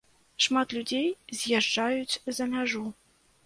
Шмат людзей з'язджаюць за мяжу.